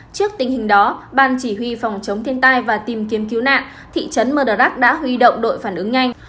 trước tình hình đó ban chỉ huy phòng chống thiên tai và tìm kiếm cứu nạn thị trấn mdrak đã huy động đội phản ứng nhanh